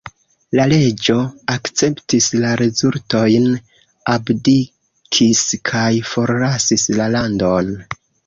La reĝo akceptis la rezultojn, abdikis kaj forlasis la landon.